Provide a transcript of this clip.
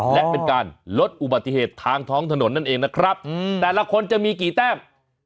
และเป็นการลดอุบัติเหตุทางท้องถนนนั่นเองนะครับแต่ละคนจะมีกี่แต้ม